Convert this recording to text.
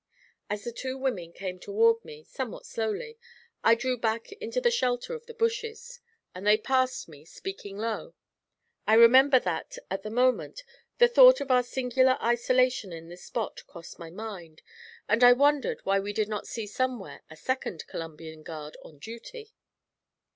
As the two women came toward me, somewhat slowly, I drew back into the shelter of the bushes, and they passed me, speaking low. I remember that, at the moment, the thought of our singular isolation in this spot crossed my mind, and I wondered why we did not see somewhere a second Columbian Guard on duty.